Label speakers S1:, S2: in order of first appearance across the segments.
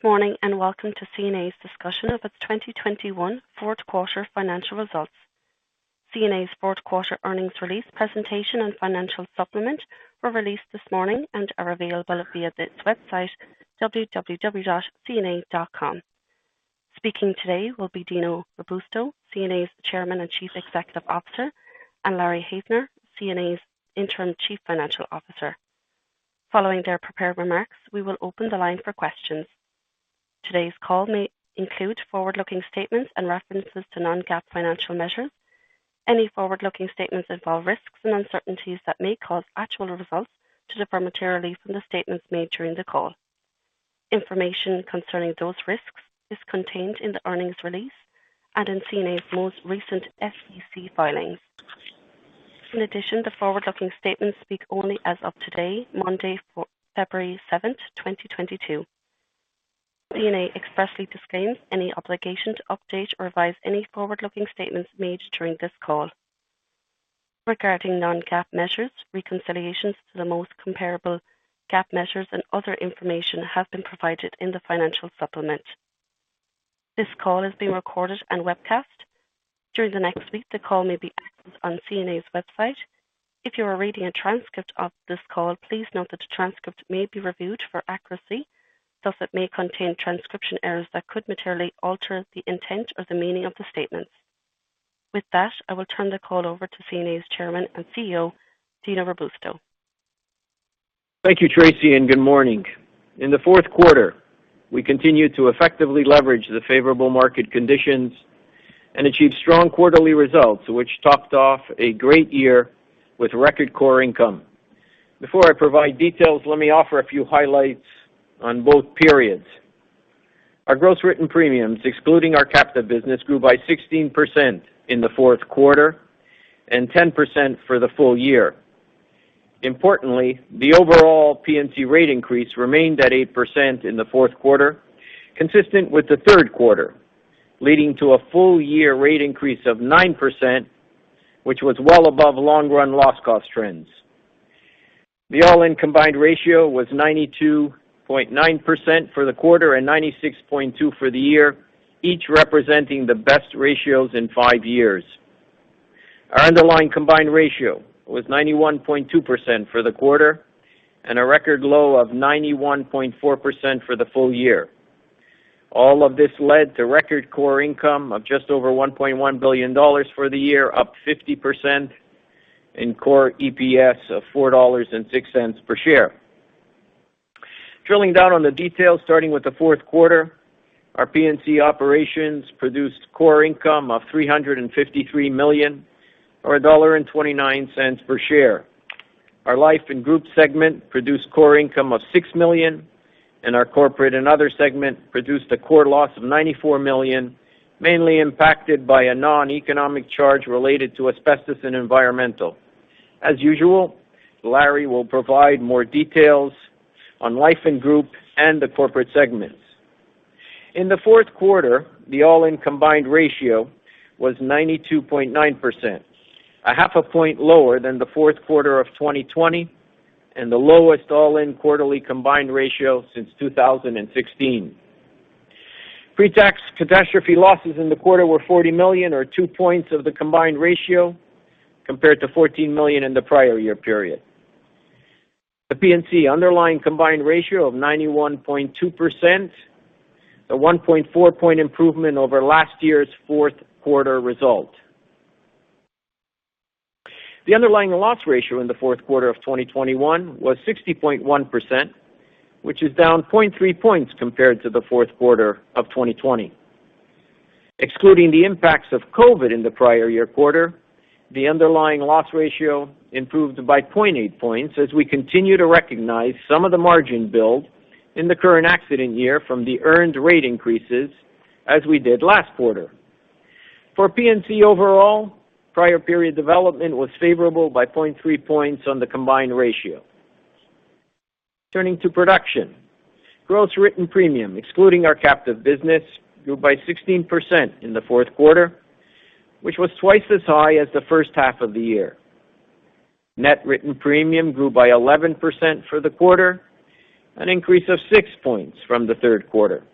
S1: Good morning, and welcome to CNA's discussion of its 2021 Fourth Quarter Financial Results. CNA's fourth quarter earnings release presentation and financial supplement were released this morning and are available via the website www.cna.com. Speaking today will be Dino Robusto, CNA's Chairman and Chief Executive Officer, and Larry Haefner, CNA's Interim Chief Financial Officer. Following their prepared remarks, we will open the line for questions. Today's call may include forward-looking statements and references to non-GAAP financial measures. Any forward-looking statements involve risks and uncertainties that may cause actual results to differ materially from the statements made during the call. Information concerning those risks is contained in the earnings release and in CNA's most recent SEC filings. In addition, the forward-looking statements speak only as of today, Monday, February 7, 2022. CNA expressly disclaims any obligation to update or revise any forward-looking statements made during this call. Regarding non-GAAP measures, reconciliations to the most comparable GAAP measures and other information have been provided in the financial supplement. This call is being recorded and webcast. During the next week, the call may be accessed on CNA's website. If you are reading a transcript of this call, please note that the transcript may be reviewed for accuracy, thus it may contain transcription errors that could materially alter the intent or the meaning of the statements. With that, I will turn the call over to CNA's Chairman and CEO, Dino Robusto.
S2: Thank you, Tracy, and good morning. In the fourth quarter, we continued to effectively leverage the favorable market conditions and achieve strong quarterly results, which topped off a great year with record core income. Before I provide details, let me offer a few highlights on both periods. Our gross written premiums, excluding our captive business, grew by 16% in the fourth quarter and 10% for the full year. Importantly, the overall P&C rate increase remained at 8% in the fourth quarter, consistent with the third quarter, leading to a full year rate increase of 9%, which was well above long run loss cost trends. The all-in combined ratio was 92.9% for the quarter and 96.2% for the year, each representing the best ratios in five years. Our underlying combined ratio was 91.2% for the quarter, and a record low of 91.4% for the full year. All of this led to record core income of just over $1.1 billion for the year, up 50% in core EPS of $4.06 per share. Drilling down on the details, starting with the fourth quarter, our P&C operations produced core income of $353 million or $1.29 per share. Our life and group segment produced core income of $6 million, and our corporate and other segment produced a core loss of $94 million, mainly impacted by a non-economic charge related to asbestos and environmental. As usual, Larry will provide more details on life & group and the corporate segments. In the fourth quarter, the all-in combined ratio was 92.9%, a half a point lower than the fourth quarter of 2020, and the lowest all-in quarterly combined ratio since 2016. Pre-tax catastrophe losses in the quarter were $40 million or two points of the combined ratio, compared to $14 million in the prior year period. The P&C underlying combined ratio of 91.2%, a 1.4-point improvement over last year's fourth quarter result. The underlying loss ratio in the fourth quarter of 2021 was 60.1%, which is down 0.3 points compared to the fourth quarter of 2020. Excluding the impacts of COVID in the prior year quarter, the underlying loss ratio improved by 0.8 points as we continue to recognize some of the margin build in the current accident year from the earned rate increases as we did last quarter. For P&C overall, prior period development was favorable by 0.3 points on the combined ratio. Turning to production. Gross written premium, excluding our captive business, grew by 16% in the fourth quarter, which was twice as high as the first half of the year. Net written premium grew by 11% for the quarter, an increase of six points from the third quarter.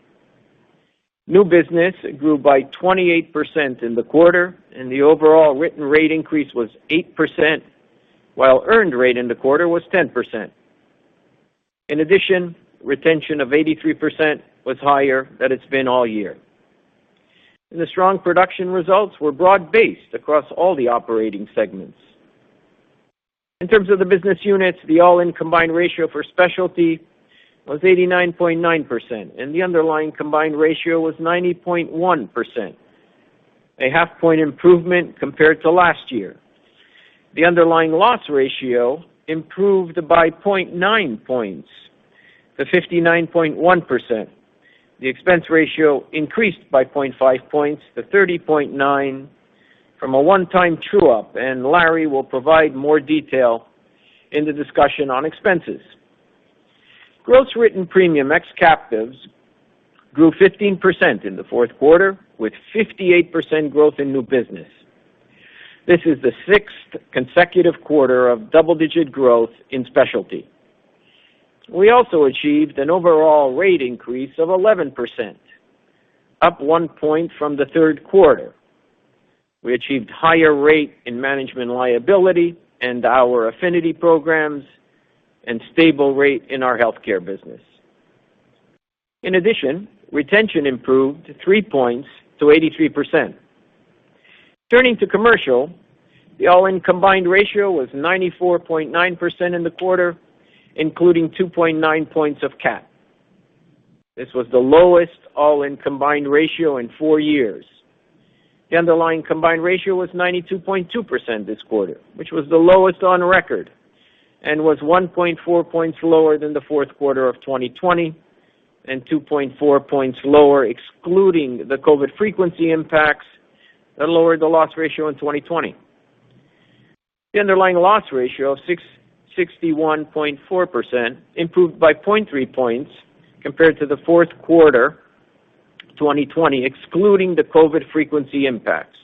S2: New business grew by 28% in the quarter, and the overall written rate increase was 8%, while earned rate in the quarter was 10%. In addition, retention of 83% was higher than it's been all year. The strong production results were broad-based across all the operating segments. In terms of the business units, the all-in combined ratio for Specialty was 89.9%, and the underlying combined ratio was 90.1%, a half point improvement compared to last year. The underlying loss ratio improved by 0.9 points to 59.1%. The expense ratio increased by 0.5 points to 30.9% from a one-time true up, and Larry will provide more detail in the discussion on expenses. Gross written premium ex captives grew 15% in the fourth quarter with 58% growth in new business. This is the 6th consecutive quarter of double-digit growth in Specialty. We also achieved an overall rate increase of 11%, up 1 point from the third quarter. We achieved higher rate in management liability and our affinity programs and stable rate in our healthcare business. In addition, retention improved three points to 83%. Turning to Commercial, the all-in combined ratio was 94.9% in the quarter, including 2.9 points of cat. This was the lowest all-in combined ratio in four years. The underlying combined ratio was 92.2% this quarter, which was the lowest on record, and was 1.4 points lower than the fourth quarter of 2020 and 2.4 points lower, excluding the COVID frequency impacts that lowered the loss ratio in 2020. The underlying loss ratio of 61.4% improved by 0.3 points compared to the fourth quarter 2020, excluding the COVID frequency impacts.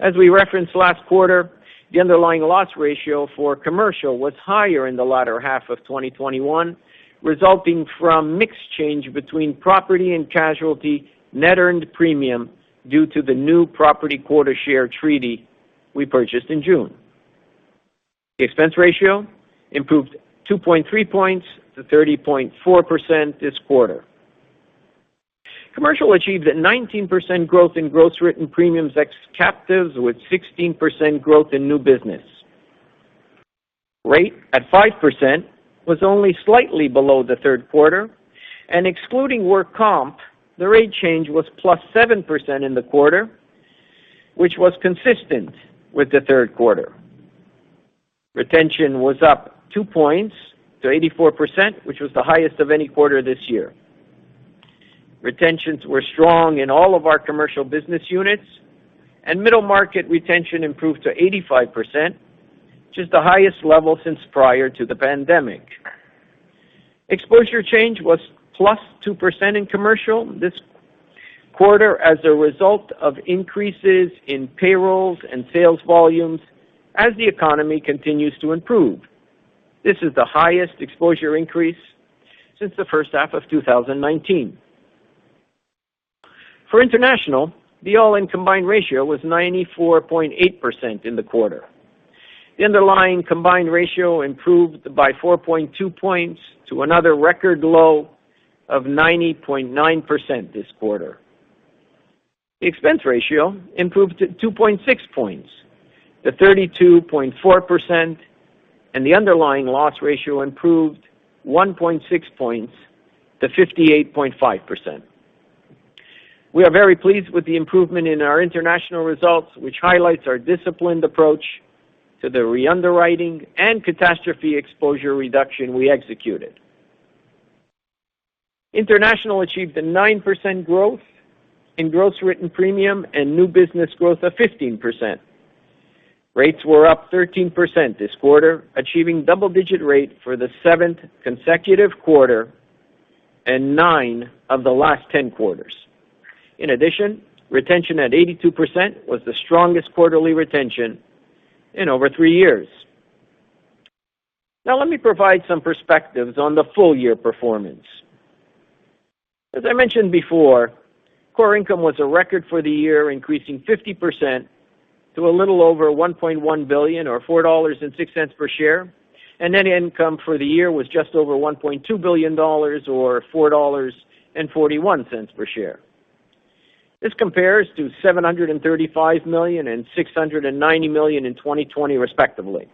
S2: As we referenced last quarter, the underlying loss ratio for Commercial was higher in the latter half of 2021, resulting from mix change between property and casualty net earned premium due to the new property quota share treaty we purchased in June. The expense ratio improved 2.3 points to 30.4% this quarter. Commercial achieved a 19% growth in gross written premiums ex captives, with 16% growth in new business. Rate at 5% was only slightly below the third quarter, and excluding workers' comp, the rate change was plus 7% in the quarter, which was consistent with the third quarter. Retention was up two points to 84%, which was the highest of any quarter this year. Retentions were strong in all of our Commercial business units and middle market retention improved to 85%, which is the highest level since prior to the pandemic. Exposure change was +2% in Commercial this quarter as a result of increases in payrolls and sales volumes as the economy continues to improve. This is the highest exposure increase since the first half of 2019. For International, the all-in combined ratio was 94.8% in the quarter. The underlying combined ratio improved by 4.2 points to another record low of 90.9% this quarter. The expense ratio improved to 2.6 points to 32.4%, and the underlying loss ratio improved 1.6 points to 58.5%. We are very pleased with the improvement in our International results, which highlights our disciplined approach to the re-underwriting and catastrophe exposure reduction we executed. International achieved a 9% growth in gross written premium and new business growth of 15%. Rates were up 13% this quarter, achieving double-digit rate for the seventh consecutive quarter and 9 of the last 10 quarters. In addition, retention at 82% was the strongest quarterly retention in over three years. Now, let me provide some perspectives on the full year performance. As I mentioned before, core income was a record for the year, increasing 50% to a little over $1.1 billion or $4.06 per share. Net income for the year was just over $1.2 billion or $4.41 per share. This compares to $735 million and $690 million in 2020, respectively.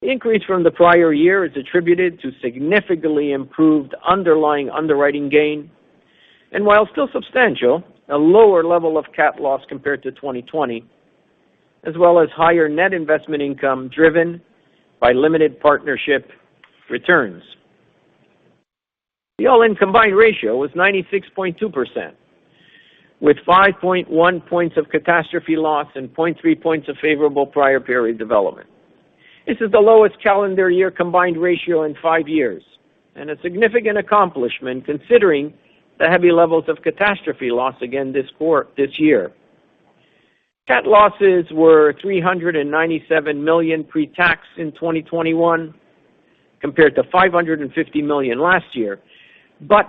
S2: The increase from the prior year is attributed to significantly improved underlying underwriting gain, while still substantial, a lower level of cat loss compared to 2020, as well as higher net investment income driven by limited partnership returns. The all-in combined ratio was 96.2%, with 5.1 points of catastrophe loss and 0.3 points of favorable prior period development. This is the lowest calendar year combined ratio in five years and a significant accomplishment considering the heavy levels of catastrophe loss again this year. Cat losses were $397 million pre-tax in 2021 compared to $550 million last year.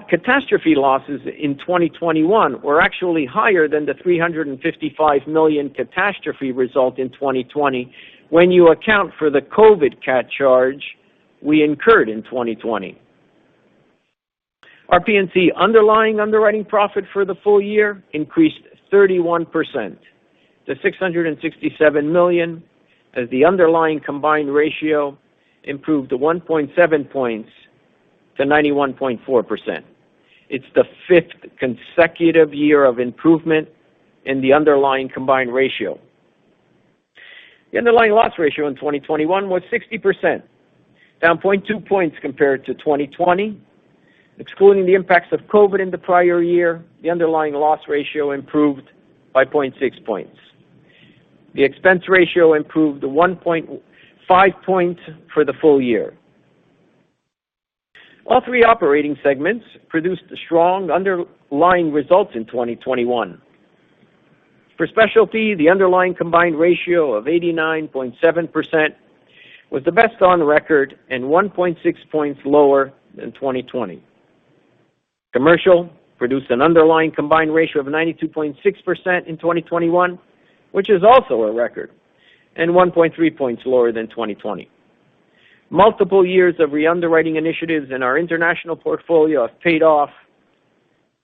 S2: Catastrophe losses in 2021 were actually higher than the $355 million catastrophe result in 2020 when you account for the COVID cat charge we incurred in 2020. Our P&C underlying underwriting profit for the full year increased 31% to $667 million as the underlying combined ratio improved by 1.7 points to 91.4%. It's the fifth consecutive year of improvement in the underlying combined ratio. The underlying loss ratio in 2021 was 60%, down 0.2 points compared to 2020. Excluding the impacts of COVID in the prior year, the underlying loss ratio improved by 0.6 points. The expense ratio improved by 1.5 points for the full year. All three operating segments produced strong underlying results in 2021. For Specialty, the underlying combined ratio of 89.7% was the best on record and 1.6 points lower than 2020. Commercial produced an underlying combined ratio of 92.6% in 2021, which is also a record and 1.3 points lower than 2020. Multiple years of re-underwriting initiatives in our International portfolio have paid off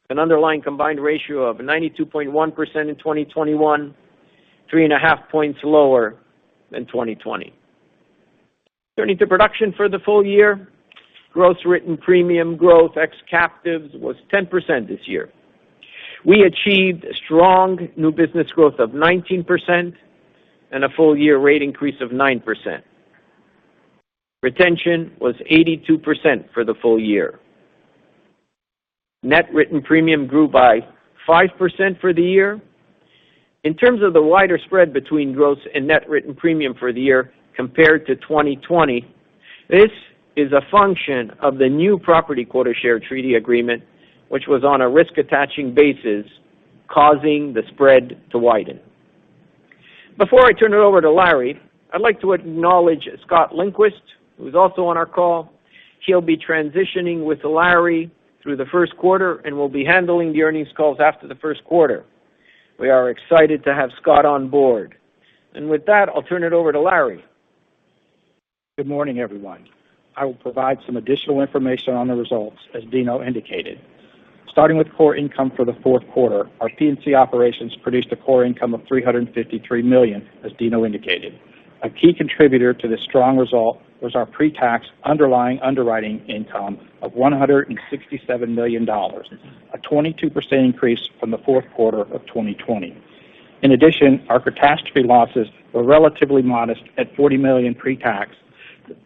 S2: an underlying combined ratio of 92.1% in 2021, 3.5 points lower than 2020. Turning to production for the full year, gross written premium growth ex captives was 10% this year. We achieved a strong new business growth of 19% and a full year rate increase of 9%. Retention was 82% for the full year. Net written premium grew by 5% for the year. In terms of the wider spread between gross and net written premium for the year compared to 2020, this is a function of the new property quota share treaty agreement, which was on a risk attaching basis, causing the spread to widen. Before I turn it over to Larry, I'd like to acknowledge Scott Lindquist, who's also on our call. He'll be transitioning with Larry through the first quarter, and we'll be handling the earnings calls after the first quarter. We are excited to have Scott on board. With that, I'll turn it over to Larry.
S3: Good morning, everyone. I will provide some additional information on the results, as Dino indicated. Starting with core income for the fourth quarter, our P&C operations produced a core income of $353 million, as Dino indicated. A key contributor to this strong result was our pre-tax underlying underwriting income of $167 million, a 22% increase from the fourth quarter of 2020. In addition, our catastrophe losses were relatively modest at $40 million pre-tax,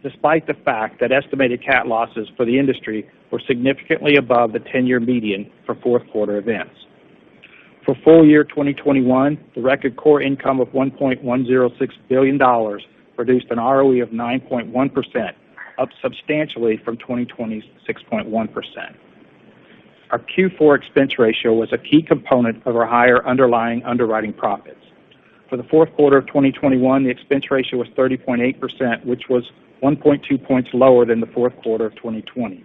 S3: despite the fact that estimated cat losses for the industry were significantly above the 10-year median for fourth quarter events. For full year 2021, the record core income of $1.106 billion produced an ROE of 9.1%, up substantially from 2020's 6.1%. Our Q4 expense ratio was a key component of our higher underlying underwriting profits. For the fourth quarter of 2021, the expense ratio was 30.8%, which was 1.2 points lower than the fourth quarter of 2020.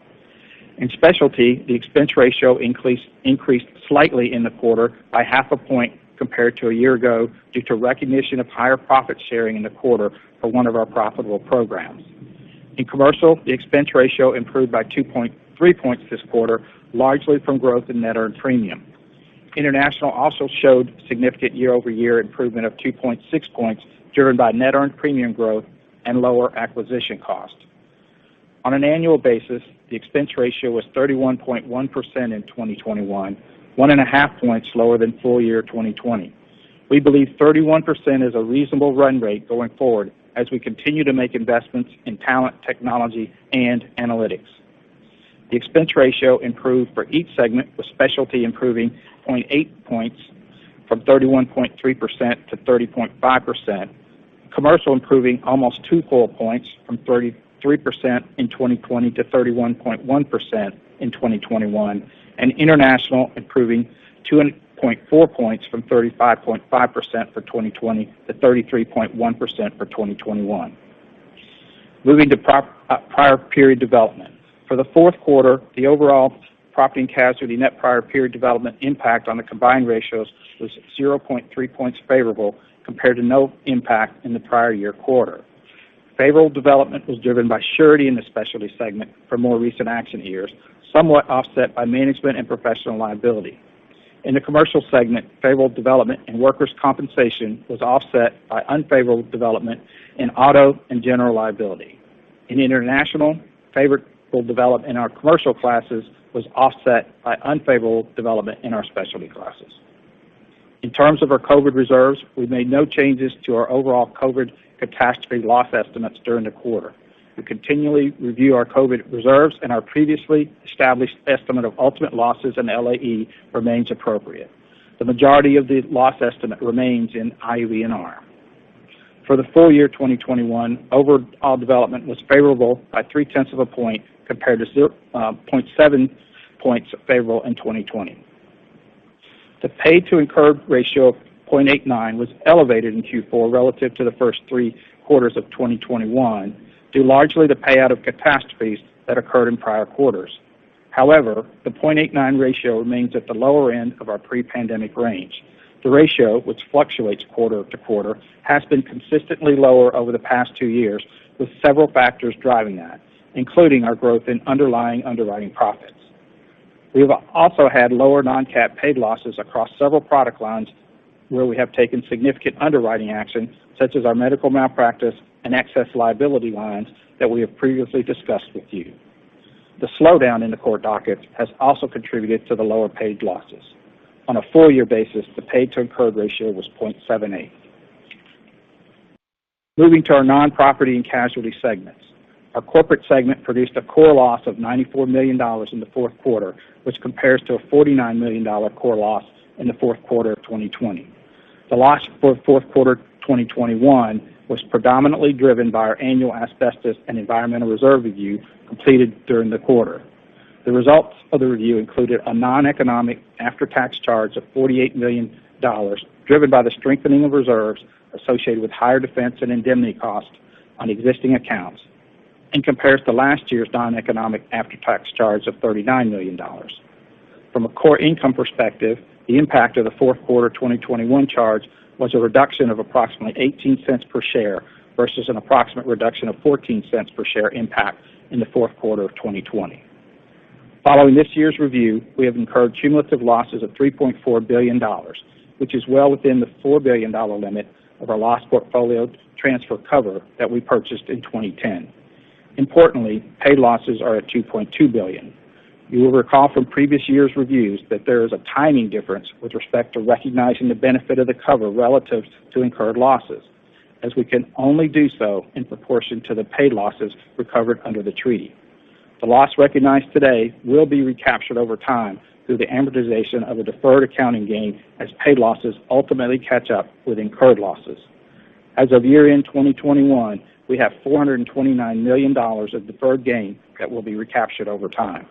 S3: In Specialty, the expense ratio increased slightly in the quarter by 0.5 point compared to a year ago due to recognition of higher profit sharing in the quarter for one of our profitable programs. In Commercial, the expense ratio improved by 2.3 points this quarter, largely from growth in net earned premium. International also showed significant YoY improvement of 2.6 points, driven by net earned premium growth and lower acquisition cost. On an annual basis, the expense ratio was 31.1% in 2021, 1.5 points lower than full year 2020. We believe 31% is a reasonable run rate going forward as we continue to make investments in talent, technology, and analytics. The expense ratio improved for each segment, with Specialty improving 0.8 points from 31.3% - 30.5%. Commercial improving almost two whole points from 33% in 2020 to 31.1% in 2021. International improving 0.4 points from 35.5% for 2020 to 33.1% for 2021. Moving to prior period development. For the fourth quarter, the overall property and casualty net prior period development impact on the combined ratios was 0.3 points favorable compared to no impact in the prior year quarter. Favorable development was driven by surety in the Specialty segment for more recent accident years, somewhat offset by management and professional liability. In the Commercial segment, favorable development in workers' compensation was offset by unfavorable development in auto and general liability. In International, favorable development in our Commercial classes was offset by unfavorable development in our Specialty classes. In terms of our COVID reserves, we made no changes to our overall COVID catastrophe loss estimates during the quarter. We continually review our COVID reserves, and our previously established estimate of ultimate losses in LAE remains appropriate. The majority of the loss estimate remains in IBNR. For the full year 2021, overall development was favorable by 0.3 of a point compared to 0.7 Points favorable in 2020. The paid to incurred ratio of 0.89 was elevated in Q4 relative to the first three quarters of 2021, due largely to the payout of catastrophes that occurred in prior quarters. However, the 0.89 ratio remains at the lower end of our pre-pandemic range. The ratio, which fluctuates quarter to quarter, has been consistently lower over the past two years, with several factors driving that, including our growth in underlying underwriting profits. We've also had lower non-cat paid losses across several product lines where we have taken significant underwriting action, such as our medical malpractice and excess liability lines that we have previously discussed with you. The slowdown in the court docket has also contributed to the lower paid losses. On a full year basis, the paid to incurred ratio was 0.78. Moving to our non-property and casualty segments. Our corporate segment produced a core loss of $94 million in the fourth quarter, which compares to a $49 million core loss in the fourth quarter of 2020. The loss for fourth quarter 2021 was predominantly driven by our annual asbestos and environmental reserve review completed during the quarter. The results of the review included a non-economic after-tax charge of $48 million, driven by the strengthening of reserves associated with higher defense and indemnity costs on existing accounts, and compares to last year's non-economic after-tax charge of $39 million. From a core income perspective, the impact of the fourth quarter 2021 charge was a reduction of approximately $0.18 per share versus an approximate reduction of $0.14 per share impact in the fourth quarter of 2020. Following this year's review, we have incurred cumulative losses of $3.4 billion, which is well within the $4 billion limit of our loss portfolio transfer cover that we purchased in 2010. Importantly, paid losses are at $2.2 billion. You will recall from previous years' reviews that there is a timing difference with respect to recognizing the benefit of the cover relative to incurred losses, as we can only do so in proportion to the paid losses recovered under the treaty. The loss recognized today will be recaptured over time through the amortization of a deferred accounting gain as paid losses ultimately catch up with incurred losses. As of year-end 2021, we have $429 million of deferred gain that will be recaptured over time.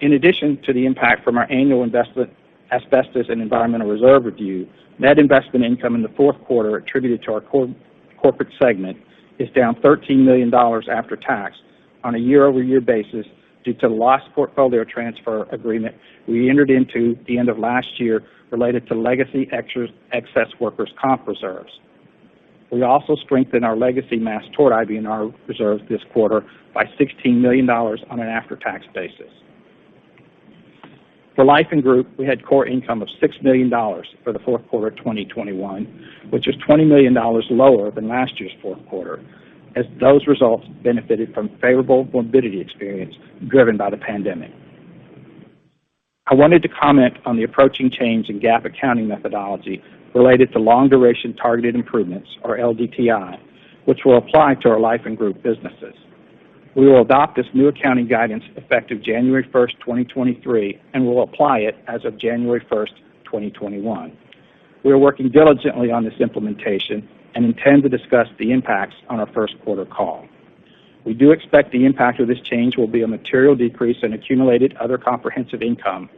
S3: In addition to the impact from our annual investment, asbestos and environmental reserve review, net investment income in the fourth quarter attributed to our corporate segment is down $13 million after tax on a YoY basis due to loss portfolio transfer agreement we entered into the end of last year related to legacy excess workers' comp reserves. We also strengthened our legacy mass tort IBNR reserves this quarter by $16 million on an after-tax basis. For Life and Group, we had core income of $6 million for the fourth quarter 2021, which is $20 million lower than last year's fourth quarter, as those results benefited from favorable morbidity experience driven by the pandemic. I wanted to comment on the approaching change in GAAP accounting methodology related to long-duration targeted improvements or LDTI, which will apply to our life and group businesses. We will adopt this new accounting guidance effective January first, 2023, and will apply it as of January first, 2021. We are working diligently on this implementation and intend to discuss the impacts on our first quarter call. We do expect the impact of this change will be a material decrease in accumulated other comprehensive income,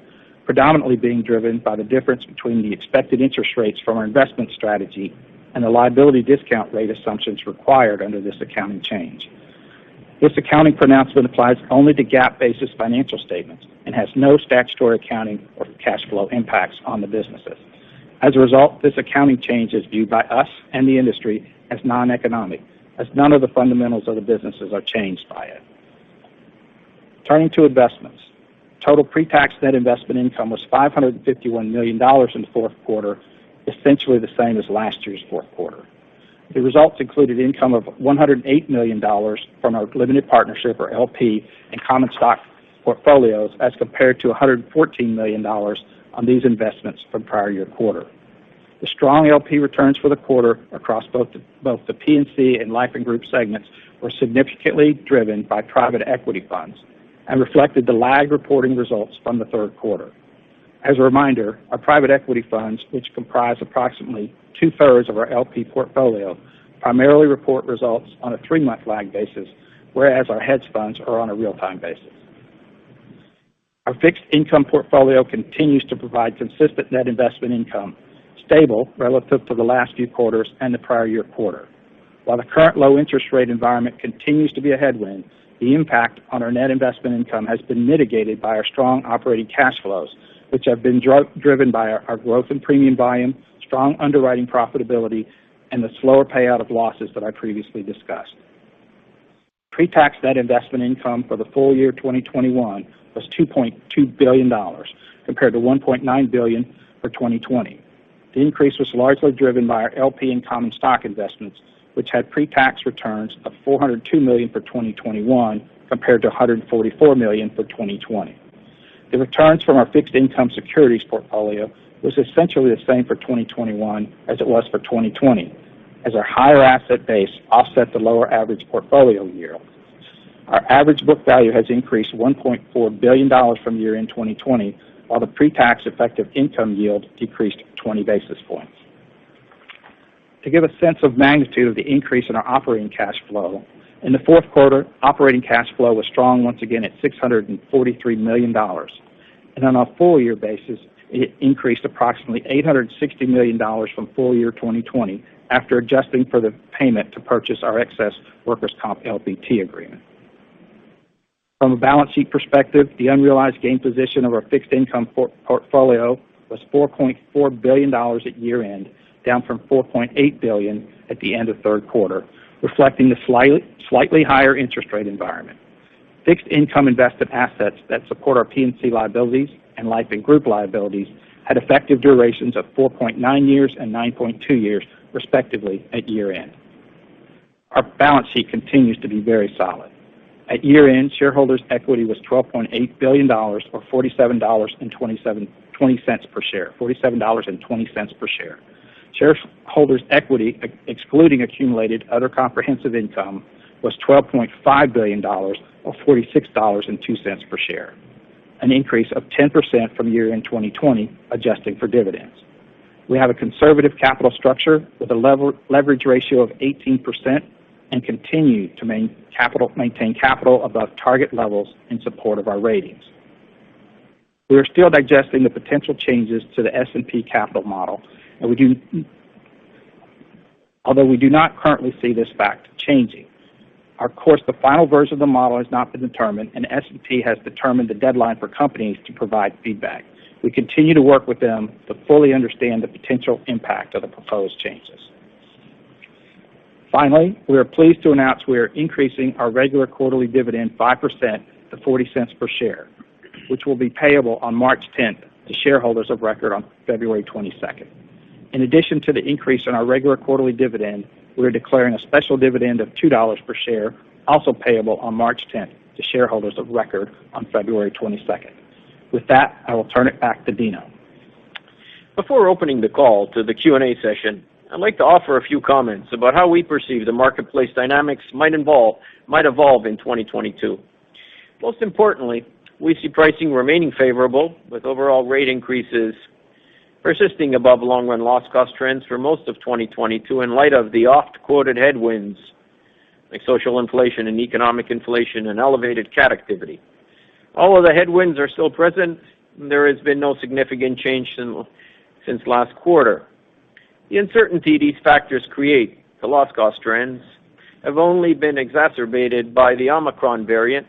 S3: predominantly being driven by the difference between the expected interest rates from our investment strategy and the liability discount rate assumptions required under this accounting change. This accounting pronouncement applies only to GAAP-basis financial statements and has no statutory accounting or cash flow impacts on the businesses. As a result, this accounting change is viewed by us and the industry as non-economic, as none of the fundamentals of the businesses are changed by it. Turning to investments, total pre-tax net investment income was $551 million in the fourth quarter, essentially the same as last year's fourth quarter. The results included income of $108 million from our limited partnership or LP and common stock portfolios as compared to $114 million on these investments from prior-year quarter. The strong LP returns for the quarter across both the P&C and Life and Group segments were significantly driven by private equity funds and reflected the lagged reporting results from the third quarter. As a reminder, our private equity funds, which comprise approximately two-thirds of our LP portfolio, primarily report results on a three-month lag basis, whereas our hedge funds are on a real-time basis. Our fixed income portfolio continues to provide consistent net investment income, stable relative to the last few quarters and the prior-year quarter. While the current low interest rate environment continues to be a headwind, the impact on our net investment income has been mitigated by our strong operating cash flows, which have been driven by our growth in premium volume, strong underwriting profitability, and the slower payout of losses that I previously discussed. Pre-tax net investment income for the full year 2021 was $2.2 billion, compared to $1.9 billion for 2020. The increase was largely driven by our LP and common stock investments, which had pre-tax returns of $402 million for 2021, compared to $144 million for 2020. The returns from our fixed income securities portfolio was essentially the same for 2021 as it was for 2020, as our higher asset base offset the lower average portfolio yield. Our average book value has increased $1.4 billion from year-end 2020, while the pre-tax effective income yield decreased 20 basis points. To give a sense of magnitude of the increase in our operating cash flow, in the fourth quarter, operating cash flow was strong once again at $643 million. On a full year basis, it increased approximately $860 million from full year 2020 after adjusting for the payment to purchase our excess workers' comp LPT agreement. From a balance sheet perspective, the unrealized gain position of our fixed income portfolio was $4.4 billion at year-end, down from $4.8 billion at the end of third quarter, reflecting the slightly higher interest rate environment. Fixed income invested assets that support our P&C liabilities and Life and Group liabilities had effective durations of 4.9 years and 9.2 years, respectively, at year-end. Our balance sheet continues to be very solid. At year-end, shareholders' equity was $12.8 billion or $47.20 per share. Shareholders' equity, excluding accumulated other comprehensive income was $12.5 billion or $46.02 per share, an increase of 10% from year-end 2020 adjusting for dividends. We have a conservative capital structure with a leverage ratio of 18% and continue to maintain capital above target levels in support of our ratings. We are still digesting the potential changes to the S&P capital model, although we do not currently see this fact changing. Of course, the final version of the model has not been determined, and S&P has determined the deadline for companies to provide feedback. We continue to work with them to fully understand the potential impact of the proposed changes. Finally, we are pleased to announce we are increasing our regular quarterly dividend 5% to $0.40 per share, which will be payable on March 10 to shareholders of record on February 22. In addition to the increase in our regular quarterly dividend, we are declaring a special dividend of $2 per share, also payable on March 10 to shareholders of record on February 22. With that, I will turn it back to Dino.
S2: Before opening the call to the Q&A session, I'd like to offer a few comments about how we perceive the marketplace dynamics might evolve in 2022. Most importantly, we see pricing remaining favorable, with overall rate increases persisting above long run loss cost trends for most of 2022 in light of the oft-quoted headwinds like social inflation and economic inflation and elevated CAT activity. Although the headwinds are still present, there has been no significant change since last quarter. The uncertainty these factors create, the loss cost trends, have only been exacerbated by the Omicron variant,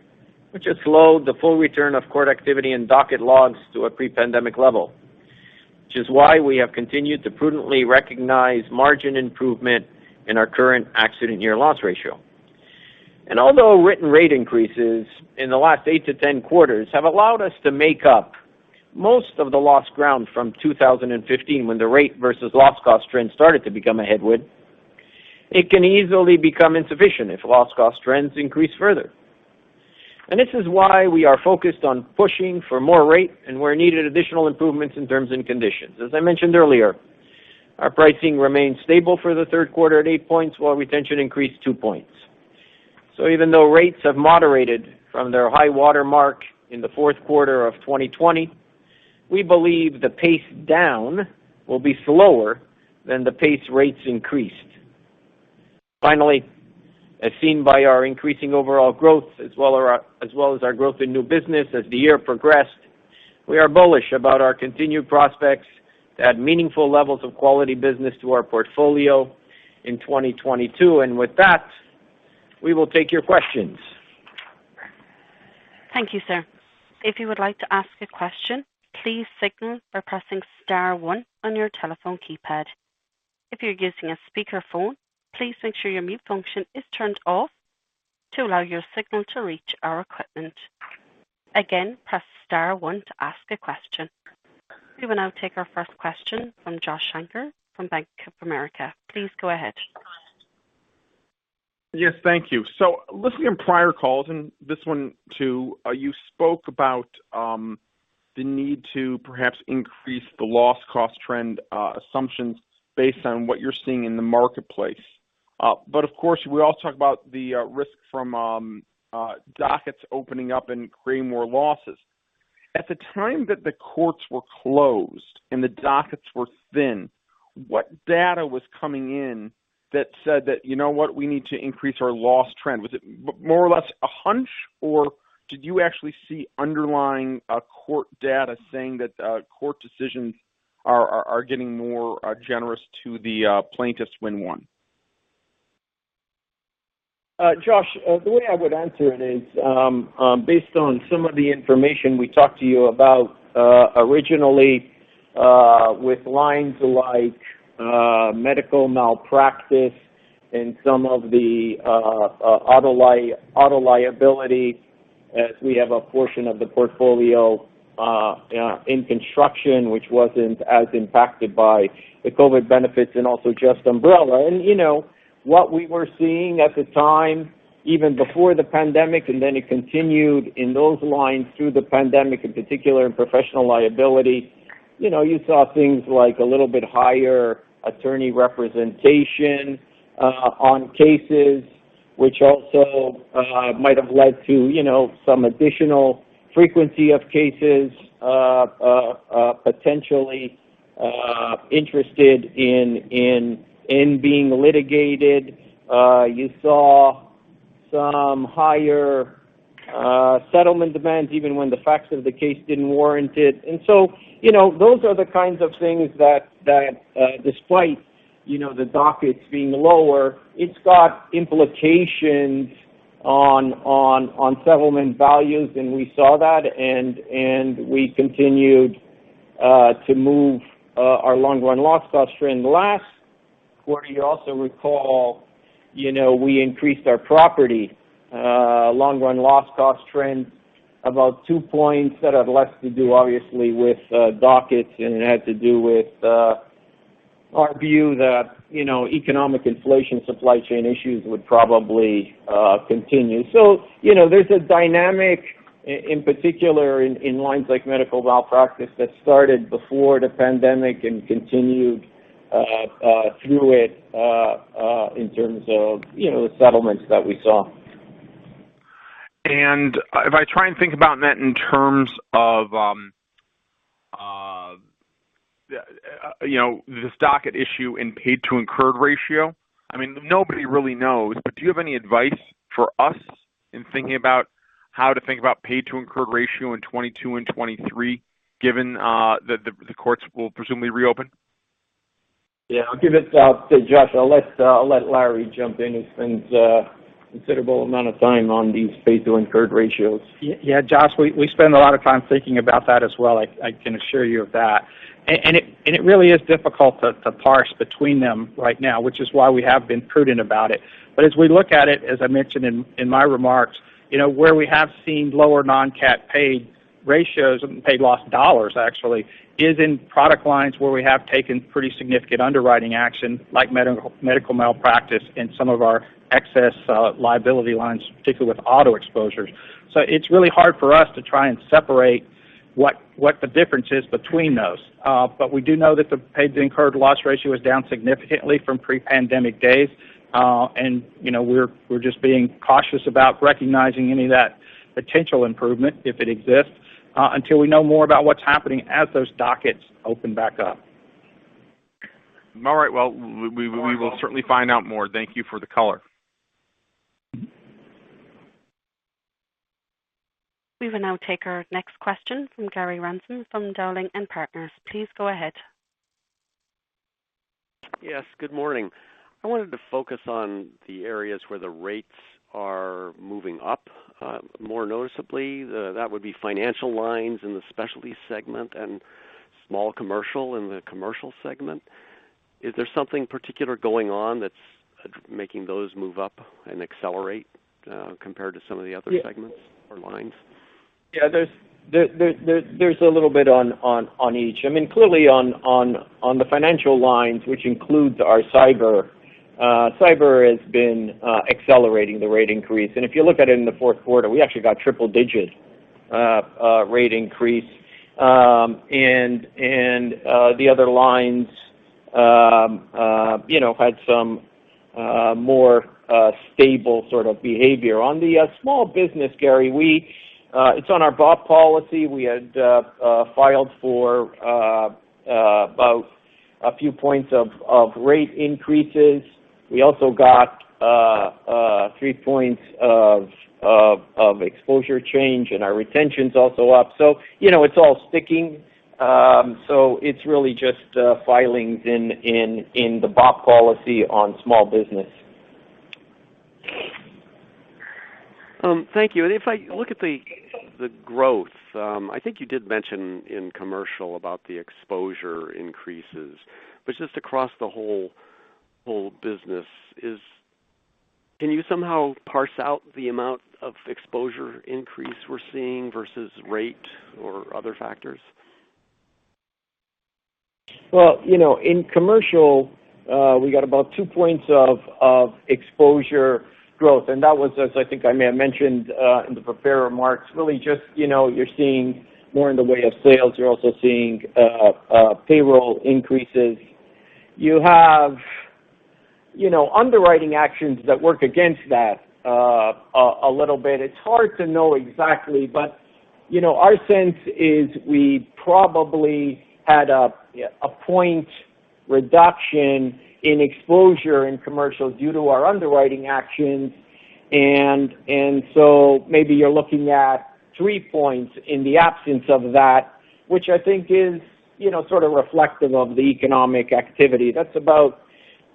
S2: which has slowed the full return of court activity and docket logs to a pre-pandemic level, which is why we have continued to prudently recognize margin improvement in our current accident year loss ratio. Although written rate increases in the last 8 quarters-10 quarters have allowed us to make up most of the lost ground from 2015 when the rate versus loss cost trend started to become a headwind, it can easily become insufficient if loss cost trends increase further. This is why we are focused on pushing for more rate and where needed additional improvements in terms and conditions. As I mentioned earlier, our pricing remains stable for the third quarter at 8 points, while retention increased 2 points. Even though rates have moderated from their high watermark in the fourth quarter of 2020, we believe the pace down will be slower than the pace rates increased. Finally, as seen by our increasing overall growth as well as our growth in new business as the year progressed, we are bullish about our continued prospects to add meaningful levels of quality business to our portfolio in 2022. With that, we will take your questions.
S1: Thank you, sir. If you would like to ask a question, please signal by pressing star one on your telephone keypad. If you're using a speakerphone, please make sure your mute function is turned off to allow your signal to reach our equipment. Again, press star one to ask a question. We will now take our first question from Josh Shanker from Bank of America. Please go ahead.
S4: Yes, thank you. Listening on prior calls, and this one, too, you spoke about the need to perhaps increase the loss cost trend assumptions based on what you're seeing in the marketplace. Of course, we all talk about the risk from dockets opening up and creating more losses. At the time that the courts were closed and the dockets were thin, what data was coming in that said that, you know what, we need to increase our loss trend? Was it more or less a hunch, or did you actually see underlying court data saying that court decisions are getting more generous to the plaintiffs when won?
S2: Josh, the way I would answer it is, based on some of the information we talked to you about originally, with lines like medical malpractice and some of the auto liability as we have a portion of the portfolio in construction, which wasn't as impacted by the COVID benefits and also just umbrella. You know, what we were seeing at the time, even before the pandemic, and then it continued in those lines through the pandemic, in particular in professional liability, you know, you saw things like a little bit higher attorney representation on cases which also might have led to, you know, some additional frequency of cases potentially interested in being litigated. You saw some higher settlement demands even when the facts of the case didn't warrant it. You know, those are the kinds of things that, despite you know, the dockets being lower, it's got implications on settlement values, and we saw that and we continued to move our long run loss cost trend. Last quarter, you also recall, you know, we increased our property long run loss cost trend about two points that had less to do obviously with dockets, and it had to do with our view that, you know, economic inflation, supply chain issues would probably continue. You know, there's a dynamic in particular in lines like medical malpractice that started before the pandemic and continued through it in terms of, you know, the settlements that we saw.
S4: If I try and think about net in terms of, you know, this docket issue in paid to incurred ratio, I mean, nobody really knows, but do you have any advice for us in thinking about how to think about paid to incurred ratio in 2022 and 2023, given that the courts will presumably reopen?
S2: Yeah. I'll give it to Josh. I'll let Larry jump in. He spends considerable amount of time on these paid to incurred ratios.
S3: Yeah. Josh, we spend a lot of time thinking about that as well. I can assure you of that. And it really is difficult to parse between them right now, which is why we have been prudent about it. But as we look at it, as I mentioned in my remarks, you know, where we have seen lower non-cat paid ratios and paid loss dollars actually is in product lines where we have taken pretty significant underwriting action like medical malpractice in some of our excess liability lines, particularly with auto exposures. So it's really hard for us to try and separate what the difference is between those. But we do know that the paid to incurred loss ratio is down significantly from pre-pandemic days. You know, we're just being cautious about recognizing any of that potential improvement, if it exists, until we know more about what's happening as those dockets open back up.
S4: All right. Well, we will certainly find out more. Thank you for the color.
S1: We will now take our next question from Gary Ransom, from Dowling & Partners. Please go ahead.
S5: Yes, good morning. I wanted to focus on the areas where the rates are moving up more noticeably. That would be financial lines in the Specialty segment and small commercial in the Commercial segment. Is there something particular going on that's making those move up and accelerate compared to some of the other segments or lines?
S2: Yeah. There's a little bit on each. I mean, clearly on the financial lines, which includes our cyber. Cyber has been accelerating the rate increase. If you look at it in the fourth quarter, we actually got triple digit rate increase. The other lines, you know, had some more stable sort of behavior. On the small business, Gary, it's on our BOP policy. We had filed for about a few points of rate increases. We also got three points of exposure change, and our retention's also up. You know, it's all sticking. It's really just filings in the BOP policy on small business.
S5: Thank you. If I look at the growth, I think you did mention in Commercial about the exposure increases, but just across the whole business, can you somehow parse out the amount of exposure increase we're seeing versus rate or other factors?
S2: Well, you know, in Commercial, we got about 2 points of exposure growth, and that was, as I think I may have mentioned, in the prepared remarks, really just, you know, you're seeing more in the way of sales. You're also seeing payroll increases. You have, you know, underwriting actions that work against that, a little bit. It's hard to know exactly, but, you know, our sense is we probably had a point reduction in exposure in Commercial due to our underwriting actions. And so maybe you're looking at 3 points in the absence of that, which I think is, you know, sort of reflective of the economic activity. That's about,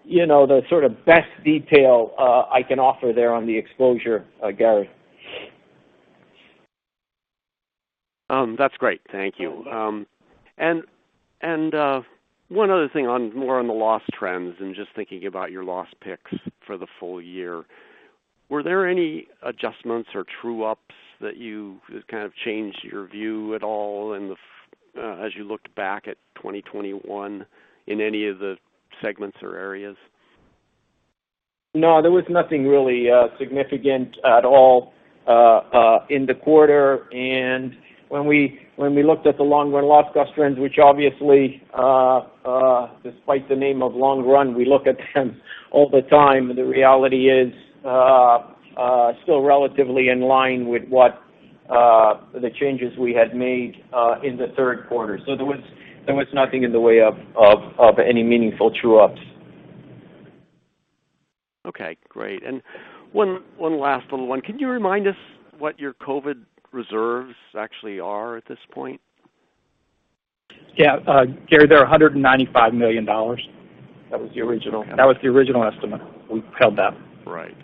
S2: you know, the sort of best detail I can offer there on the exposure, Gary.
S5: That's great. Thank you. One other thing, more on the loss trends and just thinking about your loss picks for the full year. Were there any adjustments or true ups that you kind of changed your view at all in the, as you looked back at 2021 in any of the segments or areas?
S2: No, there was nothing really significant at all in the quarter. When we looked at the long run loss cost trends, which obviously, despite the name of long run, we look at them all the time, the reality is still relatively in line with the changes we had made in the third quarter. There was nothing in the way of any meaningful true ups.
S5: Okay, great. One last little one. Can you remind us what your COVID reserves actually are at this point?
S3: Yeah. Gary, they're $195 million. That was the original estimate. We've held that.
S5: Right.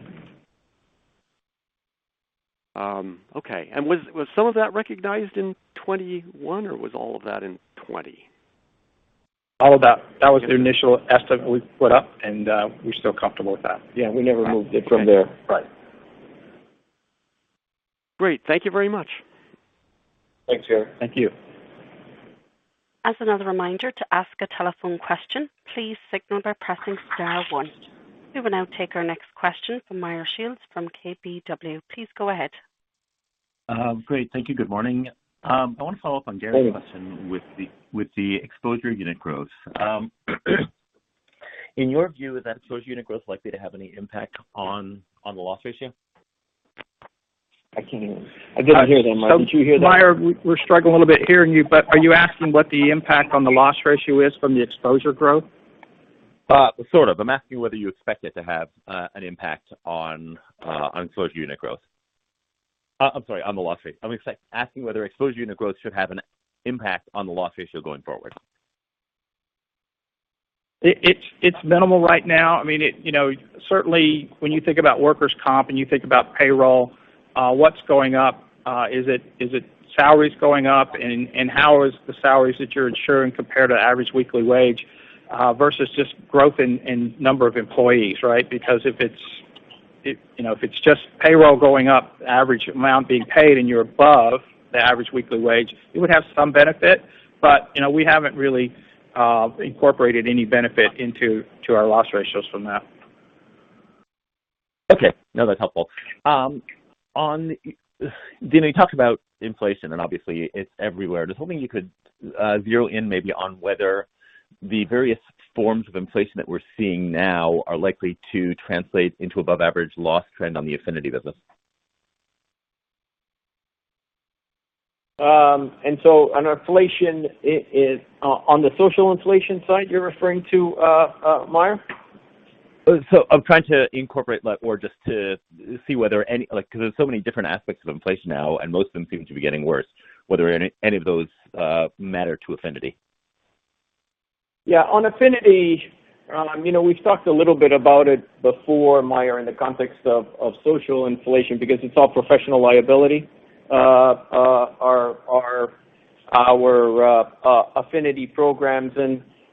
S5: Okay. Was some of that recognized in 2021 or was all of that in 2020?
S3: All of that. That was the initial estimate we put up, and we're still comfortable with that.
S2: Yeah, we never moved it from there.
S3: Right.
S5: Great. Thank you very much.
S2: Thanks, Gary.
S3: Thank you.
S1: As another reminder to ask a telephone question, please signal by pressing star one. We will now take our next question from Meyer Shields from KBW. Please go ahead.
S6: Great, thank you. Good morning. I want to follow up on Gary's question with the exposure unit growth. In your view, is that exposure unit growth likely to have any impact on the loss ratio?
S2: I didn't hear that, Meyer. Did you hear that?
S3: Meyer, we're struggling a little bit hearing you, but are you asking what the impact on the loss ratio is from the exposure growth?
S6: Sort of. I'm asking whether you expect it to have an impact on exposure unit growth. I'm sorry, on the loss rate. I'm asking whether exposure unit growth should have an impact on the loss ratio going forward.
S3: It's minimal right now. I mean, you know, certainly when you think about workers' comp and you think about payroll, what's going up is it salaries going up and how is the salaries that you're insuring compare to average weekly wage versus just growth in number of employees, right? Because if it's, you know, if it's just payroll going up, average amount being paid, and you're above the average weekly wage, it would have some benefit. You know, we haven't really incorporated any benefit into our loss ratios from that.
S6: Okay. No, that's helpful. On Dino, you talked about inflation, and obviously it's everywhere. Just hoping you could zero in maybe on whether the various forms of inflation that we're seeing now are likely to translate into above average loss trend on the affinity business.
S2: And inflation is on the social inflation side, you're referring to Meyer?
S6: I'm trying to incorporate or just to see whether any, like, 'cause there's so many different aspects of inflation now, and most of them seem to be getting worse, whether any of those matter to affinity.
S2: Yeah. On affinity, you know, we've talked a little bit about it before, Meyer, in the context of social inflation because it's all professional liability, our affinity programs.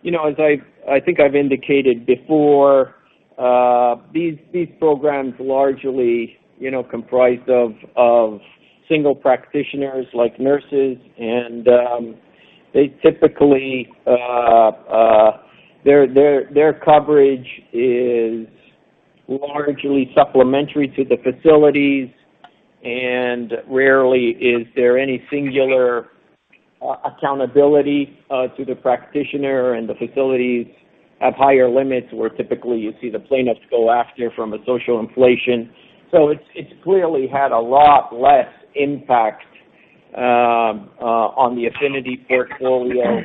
S2: You know, as I've, I think I've indicated before, these programs largely, you know, comprised of single practitioners like nurses and they typically their coverage is largely supplementary to the facilities and rarely is there any singular accountability to the practitioner and the facilities have higher limits where typically you see the plaintiffs go after from a social inflation. It's clearly had a lot less impact on the affinity portfolio,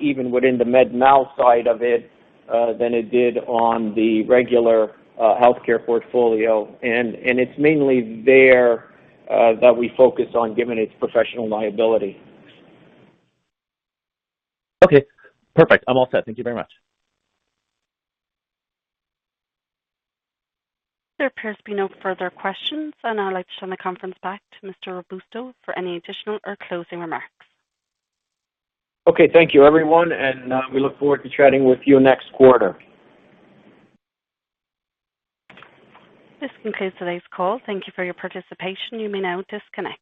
S2: even within the med mal side of it, than it did on the regular healthcare portfolio. It's mainly there that we focus on given its professional liability.
S6: Okay. Perfect. I'm all set. Thank you very much.
S1: There appears to be no further questions. I now like to turn the conference back to Mr. Robusto for any additional or closing remarks.
S2: Okay. Thank you everyone, and we look forward to chatting with you next quarter.
S1: This concludes today's call. Thank you for your participation. You may now disconnect.